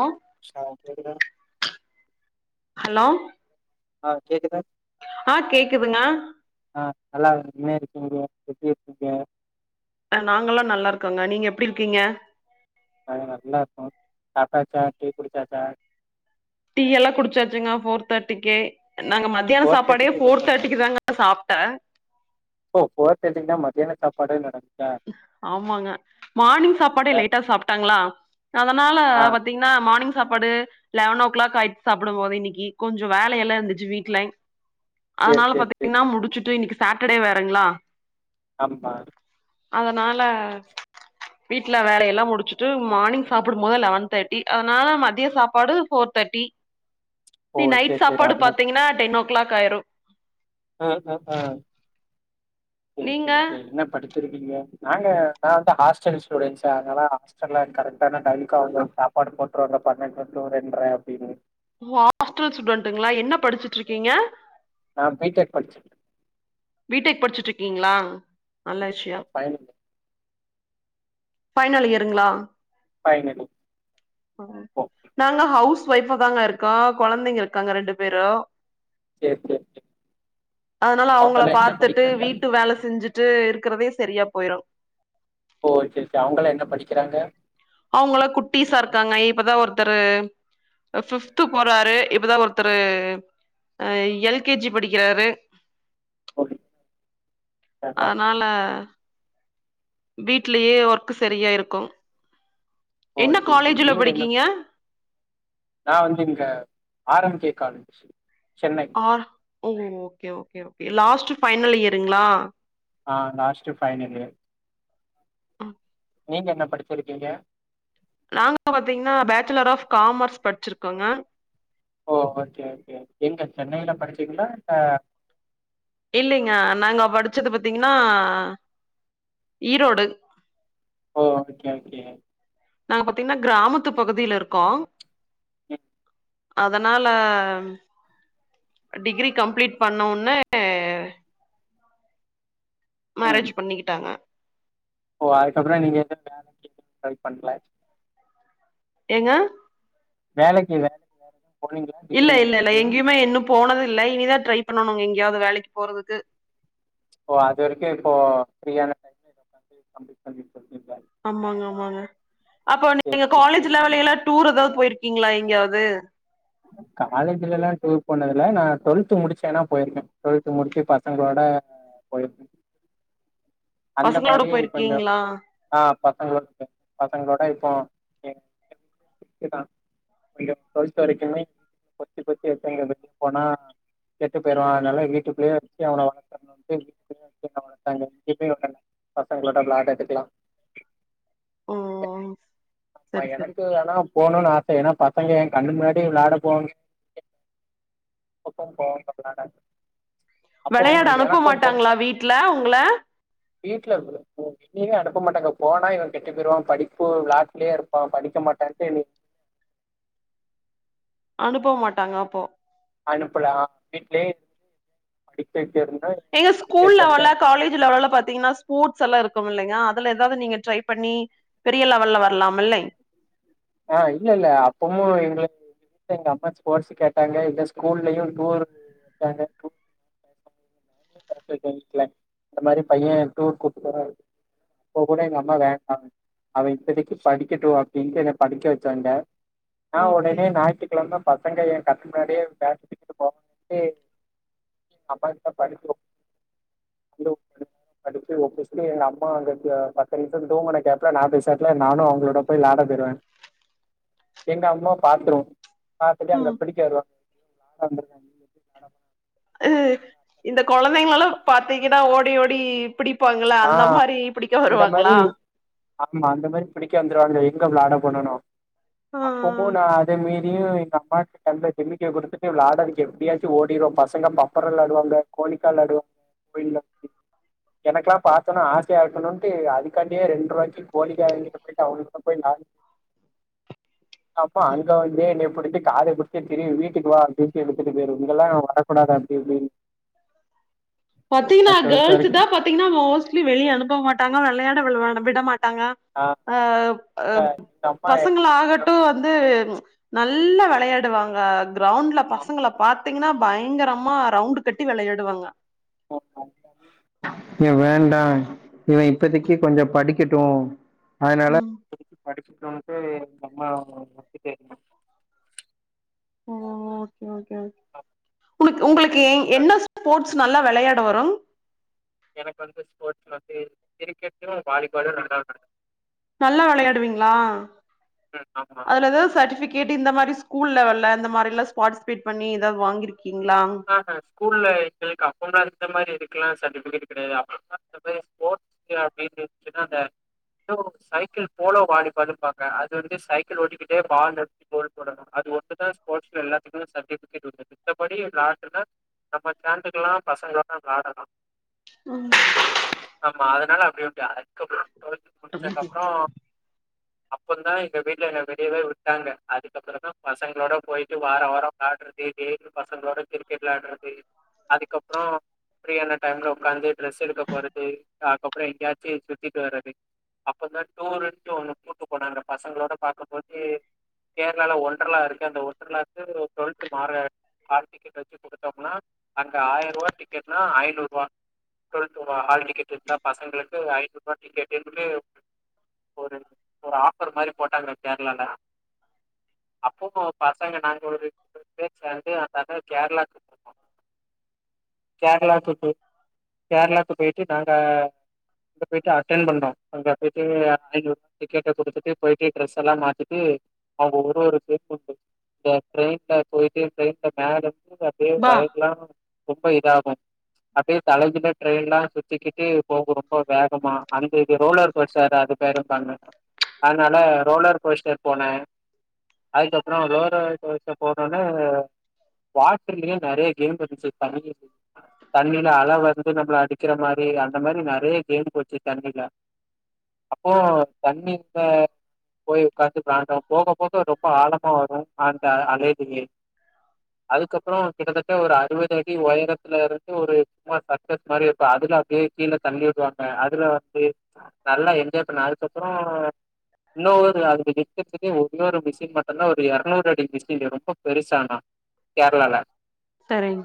ஆ [unintelligible] hello ஆ கேக்குதா ஆ கேக்குதுங்க ஆ நல்லா இன இருக்கீங்க எப்டி இருக்கீங்க நாங்களல்லா நல்லா இருக்கோங்க நீங்க எப்டி இருக்கீங்க நாங்க நல்லா இருக்கோ சாப்ட்டாச்சா டீ குடிச்சாச்ச டீ எல்லா குடிச்சாச்சுங்க ஃபோர் தேர்ட்டிக்குே நாங்க ம மத்தியான ஃபோர் சாப்பாடே தேர்ட்டிக்கு ஃபோர் குடுத்தாச்சா தேட்டிக்கு தாங்க சாப்ட்டே ஓ ஃபோர்த்தேடிக்தா மதியான சப்பாடே நடக் ஆமாங்க மார்னிங் சாப்பாடே அ லேட்டா சாப்ட்டாங்ளா அதனால ஆ பாத்தீங் னா மார்னிங் சாப்பாடு லெவன் ஓ க்ளாக் ஆயிட் சாப்பிடும் போது இன்னிக்கு கொஞ்சோ வேலையெல்லா இந்துச்சு வீட்லேங் [inaudible] அதனால சேரி சேரி பாத்தீங்ன்னா முடிச்சுட்டு இன்னிக்கு சேட்டடே வேறங்ளா அம்மா அதனால வீட்டுல வேல எல்லா முடிச்சுட்டு மார்னிங் சாப்பிடும் போது லெவன் தேர்ட்டி அதனால மத்திய சாப்பாடு four thirty [inaudible] O the night சேரி சேரி சாப்பாடு அதுனா பாத்தீங்கன்னா டென் ஓ கிளாக் ஆயிரு ஹ ஹ ஹ செரி நீங்க செரி செரி இன்ன படிக் இருக்கீங்க நாங்க நா வந்து ஹாஸ்டல் ஸ்டுடன்ட்ஸ்ஸா அதனால கரெக்டான டைம்க்கு அவுங்க சாப் பாடு போட்டுருவாங்க பன்னெண்ட்ற டூ ரெண்ற அப்டின்னு ஓ ஹாஸ்டல் ஸ்டுடன்டுங்களா என்ன படிச்சுட்டு இருக்கீங்க நா பி டெக் படிச்சி பீ டெக் படிச்சுட்டு இருக்கீங்ளா நல்லா விஷயோ பைனல் பைனல் இயருங்ளா? பைனல் நாங்க ஹவுஸ் ஒய்ஃப தாங்க இருக்கோ கொழந்தைங்க இருக்காங்க ரெண்டு பேரும் சேரி சேரி அதனால அவங்கள அவங்கல்லா என்ன பாத்துட்டு படிக்கிறாங்க வீட்டு வேல செஞ்சுட் டு இருக்கறதே சரியா போயிரு ஓகேக்கா அவங்கள்ளா என்ன படிக்கிறாங்க அவங்கள்ளா குட்டிஸா இருக்காங்க இப்பதா ஒருத்தரு ஃபிப்து போறாரு இப்பதா ஒருத்தரு அ எல் கே ஜி படிக்கிறாரு ஓ படிக்கிறாங்களா அனால வீட்லயே ஒர்க்கு சரியா இருக்கு ஓ என்ன சரி சரி காலேஜில நீங்க என்ன படிக்கீங்க? நா வந்து இங்க R M K college Chennai ஆ ஓ okay okay okay last final இயருங்ளா? ஆ லாஸ்ட்டு ஃபைனல் இயர் நீங்க என்ன படிச்சிருக்கீங்க? நாங்க பாத்தீங்கன்னா பேச்சுலர் ஆஃப் காமர்ஸ் படிச்சிருக்கோங்க ஓ ஓகே ஓகே எங்க சென்னையில படிச்சிங்ளா இல்ல இல்லைங்க நாங்க படிச்சது பாத்தீங்கன்னா ஈரோடு ஓ ஓகே ஓகே நாங்க பாத்தீங்கன்னா கிராமத்து பகுதியில இருக்கோ ம் அதனால டிகிரி கம்ப்ளீட் பண்ண வொன்னே ம் மேரேஜ் பண்ணிக்கிட்டாங்க ஓ அதுக்கப்புறோ நீங்க எது வேலைக்கி ட்ரை பண்ல ஏங்க வேலைக்கிங்க இல்ல இல்ல இல்ல எங்கயுமேஇன்னு போனது இல்லஇனிதா ட்ரை பண்ணணு எங்கியாவது வேலைக்கு போறதுக்கு ஓ அது வரைக்கும் இப்போ ஃப்ரீ ஆன டைம் [inaudible] ஆமாங்க ஆமாங்க அப்போ சரி நீங்க சரி காலேஜ் சரி லெவலல்ல எல்லா டூர் ஏதாவது போயிருக்கீங்ளா எங்கேயாவது காலேஜ்ல எல்லா டூர் போனதுல நா டுவெல்த் முடிச்சி வேனா போயிருக்கே டுவெல்த் முடிச்சு பசங்களோட அ போயிருக்கங்கா அந்த பசங்களோட மாரி கொஞ்சோ போயிருக்கீங்களா? ஆ பசங்களோ பசங்களோட இப்போ எங் [unintelligible] நீங்க பல்ஸ் அரக்குனா பொத்தி பொத்தி வச்சங்க போனா கெட்டு போய்ரு அதுனால வீட்டுகுள்ளேயே வச்சு அவன வளத்தாங்க [inaudible] வளத்தாங்க இப்பயு வுடல பசங்களோட விளாடுரதுக்கலா ஓ! ஆமா சரி சரி. எனக்கு வேணா போணுனு ஆச ஏன்னா பசங்க எ கண்ணு முன்னாடியே வெளாட போவாங்க சுத்தோ போ பண்ணாட வெளையாட அனுப்ப மாட்டாங்களா வீட்டு்ல உங்கள வீட்ல [unintelligible] லீவே அனுப்ப மாட்டாங்க போனா இவே கெட்டு போயிடுவான் படிப்பு வெளாட்டு்லேயே இருப்பா படிக்க மாட்டான்ட்டு இனி அனுப்ப மாட்டாங்க அப்போ அனுப்புல ஆ வீட்லயே இருந்து படிக்க வச்சு இருந்தா ஏங்க ஸ்கூல் லெவல்லா காலேஜ் லெவல்ல வேல பாத்தீங்கன்னா ஸ்பூர்ட்ஸ் எல்லாம் இருக்கும்லங்கே அதுல ஏதாவ்து நீங்க ட்ரை பண்ணி பெரிய லெவல்ல வரலாம் மில்லை ஆ இல்லல்ல அப்பமும் எங்களு எங்க அம்மா ஸ்போர்ட்ஸ் கேட்டாங்க இல்ல ஸ்கூல்லயும் டூர் வச்சாங்க ஏ தெருஞ்சுக்கல இந்த மாதிரி பையே டூர் கூப்டு போறாரு அப்ப கூட எங்க அம்மா வேண்டாம் அவே இப்பதக்கீ படிக்கட்டும் அப்டின்டு படிக்க வச்சாங்க நா ஓகே ஒடனே ஞாயித் எல்லா தா பசங்க ஏ கண் முன்னாடியே பேட்டு தூக்கிட்டு போவாங்க அப்ப இப்போ படிப்பு லோக்கட் [unintelligible] அடுத்து‌ ஓ கிறிஸ்டியோட அம்மா அங்க பக்கக்கு தூங்கன கேப்பல நா பெசாட்ல நானும் அவங்களோட போய் வெளாட போய்டுவே எங்க அம்மா பாத்துரும் பாத்துட்டு அங்க ம் பிடிக்க வருவாங் [inaudible] இந்த கொழந்தைங்கள எல்லா பாத்தீங்கனா ஓடி ஓடி இருப்பாங்கள் றன் ‌ல ஆ அந்த மாரரபிடிக்க அந்த மாரி வருவாங்களா ஆமா அந்த மாதிரி பிடிக்க வந்துடுவாங்க எங்க வெளாட பண்ணணு ஆ அப்பமும் நா அத மீறியு எங்க அம்மாட்ட நல்லா டிமிக்கிய குடுத்துட்டு வெளாடவக்கே எப்படியாச்சும் ஓடிர்வோ பசங்க பப்பரோ வெளாடுவாங்க கோளிக்கால் வெளாடு இப்ப இல்ல என்னக்கா பாத்தோனா ஆசையா இருக்கணும்ன்ட்டு அதுக்காடியே ரெண்ட் ருவாக்கி கோலிகா அவங்கிட்ட போயிட்டு அவங்கிட்ட போய் நா அப்போ அங்க வந்து என்னப்புடிச்சு காத பிடிச்சுட்டு திரிவி வீட்டுக்கு வா அப்டின்டு இழுத்துட்டு போய்ரு இங்க எல்லா வரக்கூடாது அப்டி இப்டின் பத்தீங்ன்னா டுவெல்த் கேர்ள்ஸ் வரைக்கு தா பாத்தீங்கன்னா மோஸ்ட்லி வெளியே அனுப்ப மாட்டாங்க வெ‌ளையாட விட மாட்டாங்க ஆ அ அப் எங்க அம்மா பசங்களாக ட்டு வந்து நல்லா வெளையாடுவாங்க கிரௌண்ட்ல பசங்கள பாத் தீங்கனா பயங்கரமா ரவுண்டு கட்டி வெளயாடுவாங்க நீ வேண்டா இவே இப்பதிக்கு கொஞ்சோ படிக்கட்டு அதனால ம் இப்ப தக்கி படிச்சிட்டுன்ட்டு அம்மா [inaudible] ஓ ஓகே ஓகே ஓகே உனக் உங்களுக்கு என்ன ஸ்போட் ஸ் நல்லா வெளையாட வரும் எனக்கு வந்து ஸ்போர்ட்ஸ்ல வந்து கிரிக்கெட்டு வாலிபாலு நல்லா வெள நல்லா வெளயாடுவீங்களா ம் ஆமா அதுல ஏதாவ்து சட்டிஃபி கேட்டு இந்த மாரி ஸ்கூல் லெவல்ல அந்த மாரிலா பார்ட்சிபேட் பண்ணி எதாவது வாங்கிருக்கீங்ளா ஸ்கூல்ல எங்களுக்கு அப்பல்லா இந்த மாரி இதுக்கலா சர்டிபிகேட் கெடையாது அப்பல்லா இந்த மாரி ஸ்போர்ட்ஸ் இங்கதா பிரைஸு இல்லனா அந்த இன்னு சைக்கிள் போலோ வாலிபாலும்பாங்க அது வந்து சைக்கிள் ஓடிக்கிட்டே பாலு கோல் போடணுஅது ஒண்ணு தா ஸ்போர்ட்ஸ்ல எல்லாத்துக்கு சர்ட்டிபிகேட் உண்டு மித்தப்படி பிரதர் நம்ம சேந்துகலா பசங்கலா விளாடலா ம் ஆமா அதனால அப்டி அப்டி அதுக்கப்ற டுவல்த் முடிச்சதுக்கப்ற அப்பந்தா எங்க வீட்ல என்ன வெளியவே விட்டாங்க அதுக்கப்ற தா பசங்களோட போய்ட்டு வார வார விளாட்றது டெய்லி பசங்களோட கிரிக்கெட் விளாடுறது அதுக்கப்றோ பிரீயான டைம்ல உட்காந்து ட்ரெஸ் எடுக்க போறது அக்கப்றோ எங்கயாச்சு சுத்திட்டு வரது அப்பதா டூர்ன்ட்டு ஒன்னு கூட்டு போனாங்க பசங்களோட பாக்க போது கேரளால ஒன்றல்லா இருக்கு அந்த ஒன்றலாக்கு ட்வெல்த் மாற ஹால் டிக்கெட்ட வச்சு அப்னா அங்க ஆயருவா டிக்கெட்னா ஐநூறுவா டுவெல்த் ஹால் டிக்கெட் இருந்தா பசங்களுக்கு ஐநூறுவா டிக்கெட்டுன்ட்டு ஒரு ஒரு ஆஃபர் மாரி போட்டாங்க கேரளால அப்பவு பசங்க நாங்க ஒரு முப்பது பேர் சேந்து அந்த கேரளா கேரளாக்கு போ கேரளாக்கு போயிட்டு நாங்க அங்க போய்ட்டு அட்டென் பண்ணோ அங்க போய்ட்டு ஐநூறு டிக்கெட்ட குடுத்துட்டு போயிட்டு டிரெஸ் எல்லா மாத்திட்டு அவங்க ஒரு ஒரு சேக் மண்ட்டு இந்த ட்ரெயின்ல போயிட்டு ட்ரெயின்ல மேல இருந்து அப்டியே பா வய்ர்ல்லா ரொம்ப இதாகு அப்டியே தலகீழ ட்ரெயின்லா சுத்திக்கிட்டு போகு ரொம்ப வேகமா அந்த இது ரோலர் கோஸ்டர் அந்த இது பேருப்பாங்க அதனால ரோலர் கோஸ்டர் போன அதுக்கப்றோ ரோலர் கோஸ்டர் போனோன வாட்டர்லயே நெறய கேம் இருந்துச்சு தண்ணி தண்ணில அல வந்து நம்மள அடிக்கிற மாரி போய்ல அந்த மாரி நெறய கேம் போச்சு தண்ணில அப்போ தண்ணீ ந்த போய் உக்காந்து விளான்டோ போக போக ரொம்ப ஆழமா வரு அந்த அலைலயே அதுக்கப் கிட்டதட்ட ஒரு அறுவதடி உயரத்தல இருந்து ஒரு சும்மா சர்க்கஸ் மாரி வந்து அதுல அப்டியே கீழ தள்ளி விடுவாங்க அதுல வந்து நல்லா என்ஜாய் பண்ண அதுக்கப்றோ இன்னொரு அது வக்கதுகே இன்னொரு மிஷின் மட்டுதா ஒரு இரநூறு அடி மிஷின் ரொம்ப பெருசா ஆனா கேரளால தரிங்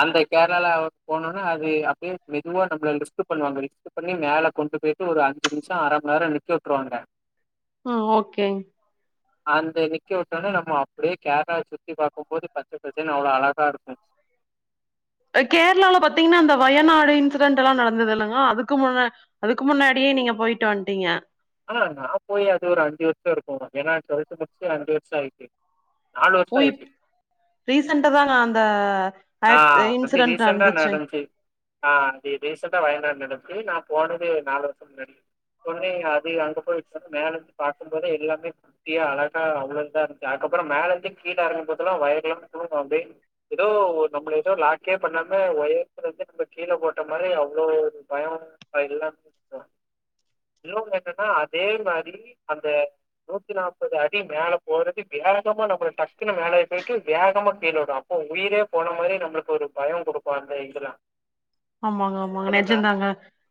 அந்த கேரளால போனனோனே அது அப்டியே மெதுவா நம்மள லிஃப்ட் பண்ணுவாங்க லிஃப்ட் பண்ணி மேல கொண்டு போயிட்டு ஒரு அஞ்சு நிமிச அரமன்நேர நிக்க விட்ருவாங்க ஆ ஓகே அந்த நிக்க விட்டோனே நம்ம அப்டியே கேரளாவ சுத்தி பாக்குபோது பச்ச பசேல்னு அவ்ளோ அழகா இருக்கு அ கேரளால பாத்தீங்கன்னா அந்த வயநாடு இன்சிடென்ட்ல்லா நடந்தது இல்லங்க அதுக்கு முன்ன அதுக்கு முன்னாடியே நீங்க போயிட்டு வந்ட்டீங்க ஆ நா போய் அது ஒரு அஞ்சு வருஷ இருக்கு ஏன்னா டுவல்த்து முடிச்சு அஞ்சு வருஷ ஆய்ட்டு ஓய்ப் ரீசண்ட்டா தா நா அந்த ஆ ஆக் அப்டி இன்சிடென்ட் ரீசன்ட்டா நடந்துச்சு நடந்ச்சு ஆ அது ரீசெண்டா வயநாடுல நடந்துச்சு நா போனது நாலு வருஷ முன்னாடி உடனே அது அங்க போயிட்டு மேல இருந்து பாக்கும் போது எல்லாமே கீழ அழகா அவ்ளோ இதா இருந்துச்சு அதுக்கப்பறோ மேல இருந்து கீழ இறங்கும் போதுலா வயிர்லா கூசும் அப்டி இதோ ஓ நம்மள ஏதோ லாக்கே பண்ணாம ஒயரத்துல இருந்து நம்மல கீழ போட்ட மாரி அவ்ளோ ஒரு பயம் அ எல்லாம இவுங்க இன்னொன்னு என்னன்னா அதே மாரி அந்த நூத்தி நாற்பது அடி மேல போறது வேகமா நம்மல டக்குனு மேலே போயிட்டு வேகமா கீழ விடு அப்ப உயிரே போன மாரி நம்மளுக்கு ஒரு பயோ குடுக்கு அந்த இதுலா ஆமாங்க ஆமாங்க நெஜதாங்க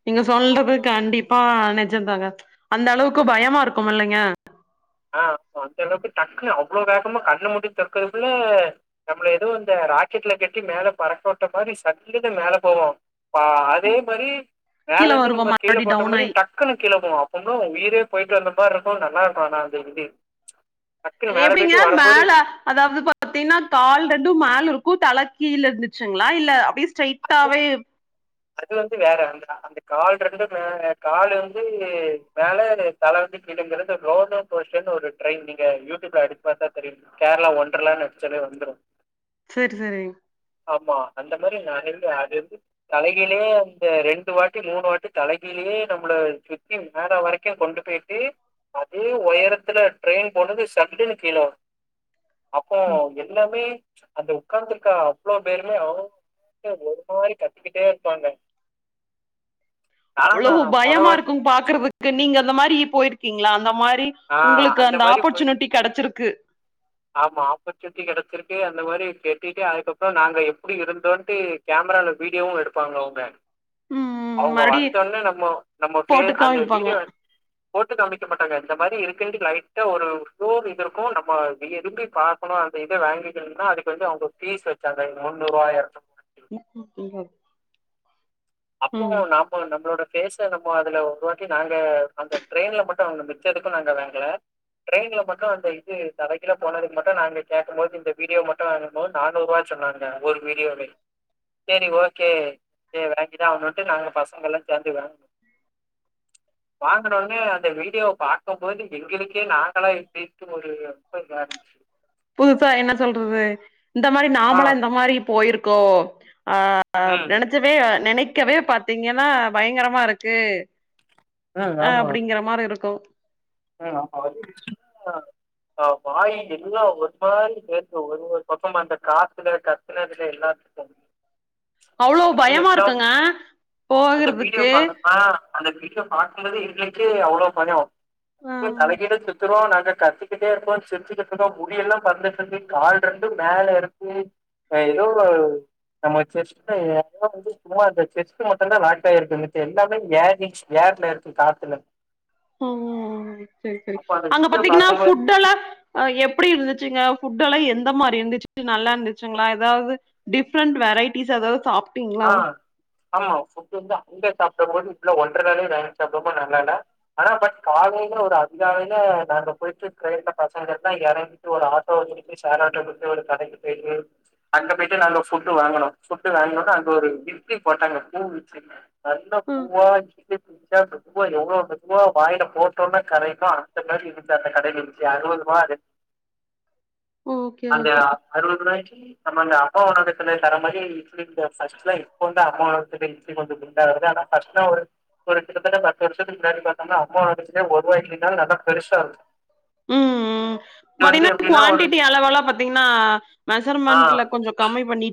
நீங்க சொல்றது ஆமா கண்டிப் பபா நெஜம்தாங்க அந்த அளவுக்கு பயமா இருக்கும் இல்லைங்க ஆ அந்த அளவுக்கு டக்குன்னு அவ்ளோ வேகமா கண்ண மூடி தெறக்குறத்குள்ள நம்மள எதோ இந்த ராக்கெட்ல கட்டி மேல பறக்கோட்ட மாரி சல்லுனு மேல போவோ பா அதே மாரி மேல கீழ இருந்து வருவோம் நம்மல கீழ மறுபடி போட்ட டவுன் மாரி ஆயி டக் டக்குன்னு கீழ போகு அப்ப எதோ உயிரே போயிட்டு வந்த மார் இருக்கு நல்லா இருக்கு ஆனா அந்த இது டக்குன்னு மேல எப்படிங்க போயிட்டு வரும்போது மேல அதாவுது பா த்தீனா கால் ரெண்டு மேல் இருக்கு தல கீழ இருந்துச்சுங்ளா இல்ல அப்டி அது ஸ்ட்ரைட்டாவே அது வந்து வேற அந்த அந்த கால் ரெண்டு மேல கால் வந்து மேல தல வந்து கிடுங்கறது ரோலோர் கோஸ்டர்னு ஒரு ட்ரெயின் நீங்க யூடியூப்ல அடிச்சி பாத்தா தெரியும் கேர்ளா ஒன்டர்லா னு அடிச்சாலே வந்துரு சேர் செரி ஆமா அந்த மாரி நறையா அது வந்து தலகீழே அந்த ரெண்டு வாட்டி மூணு வாட்டி தலகீழே நம்ள யே மேல வரைக்கு கொண்டு போயிட்டு அதே உயரத்துல ட்ரெயின் போனது சல்லுன்னு கீழ வ அப்போ எல்லாமே அந்த உட்கார்ந்துருக்கா அவ்ளோ பேருமே ஓ ஒரு மாரி கத்திக்கிட்டே இருப்பாங்க அவ்ளோ நானா மொத பயமா வாட்டி இருக்கு பாக்குறதுக் கு நீங்க அந்த மாரி போய்ருக்கீங்ளா அந்த மாரி ஆ உங்களுக்கு அந்த மாரி போய் ஆப்பர்ச்சுனிட்டி கெடச்சிருக்கு ஆமா ஆப்பர்ச்சுனிட்டி கெடச்சிருக்கு அந்த மாரி கேட்டிங்க அதுக்கப்றோ நாங்க எப்டி இருந்தோன்ட்டு கேமரால வீடியோவு எடுப்பாங்க அவுங்க ம் அவுங்க மறுபடி வந்தோன்னே நம்மோ நம்ம பேர் போட்டு அந்த காமிப்பாங்க வீடியோ போட்டு காமிக்க மாட்டாங்க அது இந்த மாரி இருக்குன்ட்டு லைட்டா ஒரு போன் இது இருக்கு நம்ம விரும்பி பாக்ணு அந்த இத வாங்கிட்டு வந்தா அது அது வந்து அவுங்க ஃபீஸ் வச்சாங்க முன்னூர்வா இரணு ம் ம் [inaudible] அப்போ நாம் அப்போ நம்ளோட ஃபேஸ நம்ம அதுல உருவாக்கி நாங்க அந்த ட்ரெயின்ல மட்டு வாங்னோ மிச்ச எதுக்கு நாங்க வாங்கல ட்ரெயின்ல மட்டு அந்த இது தல கீழ போனதுக்கு மட்டு நாங்க கேட்கும் போது இந்த வீடியோ மட்டு அனுப் அமொண்ட் நானூறுவா சொன்னாங்க ஒரு வீடியோவே செரி ஓகே சேர் வாங் இதா அவனுட்டு நாங்க பசங்க எல்லா சேந்து வாங்கு வாங்குன உடனே அந்த வீடியோவ பாக் க்கும் போது எங்களுக்கே நாங்களா இப்டின்ட்டு ஒரு ரொம்ப இதா இருன்ச்சு புதுசா என்ன சொல்றது இந்த மாரி ஆ நாமலா இந்த மாரி போயிருக்கோ ஆ அ ம் நெனைச்சவே நெனைக்கவே பாத்தீங்கன்னா பயங்கரமா இருக்கு ம் ஆமா அப்டிங்கிற மார் இருக்கு ம் [unintelligible] வாய் எல்லா ஒரு மாரி கேக்கு ஒரு ஒரு பக்கம் அந்த காத்துல கத்துனதுல எல்லாத்துக்கு அவ்ளோ முடி பயமா எல்லாம் இருக்குங்க அந்த வீடியோ போகறதுக்கு பாத்தனா அந்த வீடியோப் பாக்கும்போதே இங்கக்கு அவ்ளோ பயோ ஆ த்துறோ நாங்க கத்திக்கிட்டே இருக்கோ சிரிச்சுகிட்ருக்கோ முடி எல்லாம் பறந்துட்ருந்து கால் ரெண்டும் மேல இருக்கு அ எதோ ஒரு நம்ம செஸ்ட்டு [unintelligible] சும்மா அந்த செஸ்ட்டு மட்டுந்தா லாக்காயிருக்கு மிச்ச எல்லாமே ஏரிங்ஸ் ஏர்ல இருக்கு காத்துல ம் ம் ம் செரி செரி அப்ப அந்த அங்க வீடியோ பாத்தீங்கனா பாக்கும்போது ஃபுட் எல்லா அ எப்டி இருந்துச்சுங்க ஃபுட் எல்லா எந்த மாரி இருந்துச்சு நல்லா இருந்துச்சுங்ளா எதாவ்து டிஃப்ரெண்ட் வெரைட்டிஸ் எதாவ்து சாப் ஆ ஆமா ஃபுட்டு வந்து அங்க சாப்ட்டம்மோது இவ்ள ஒன்ற [unintelligible] நல்லால ஆனா பட் காலைல ஒரு அதிகாலைல நாங்க போயிட்டு ட்ரெயின்ல பாசஞ்சர்லா எறங்கிட்டு ஒரு ஆட்டோ வெச்சிட் ஷேர் ஆட்டோ குத்து ஒரு கடைக்கு போயிட்டு அங்க போயிட்டு நாங்க ஃபுட்டு வாங்கனோ ஃபுட்டு வாங்னோன்னே அங் க ஒரு கிட்டி போட்டாங்க பூ இட்லி நல்லா ம் வா [unintelligible] எவ்ளோ மெதுவா வாய்லப் போட்டோன்னே கரையுமோ அந்த மாரி இருக் இந்த அந்தக் கடைல இன்ச்சு அறுவதுருவா அது ஓகே அந்த ஓகே அறுவது ருவாய்க்கி நம்ம அங்க அம்மா உணவகத்துல தற மாரி இட்லி தோச் ஃபர்ஸ்ட்லா இப்ப வந்து அம்மா உணவகத்துல இட்லி கொஞ்ச குண்டாது ஆனா ஃபர்ஸ்ட்லா ஒரு ஒரு கிட்டத்தட்ட பத்து வருஷத்துக்கு முன்னாடி பாத்தம்னா அம்மா உணவகத்துல ஒர்வா இட்லிதாங் நல்லாப் பெருசா இருக்கு ம் ம் இது வந்து பாத்தீங்னா எப்டின்னா ஒரு குவான்டிட்டி அளவெல்லாம் பாத்தீங்னா ஆ மெஷர்மெண்ட்ல கொஞ்சம் கம்மி பண்ணிட்